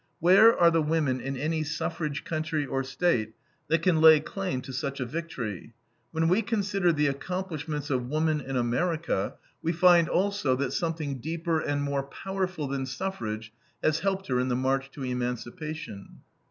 Where are the women in any suffrage country or State that can lay claim to such a victory? When we consider the accomplishments of woman in America, we find also that something deeper and more powerful than suffrage has helped her in the march to emancipation.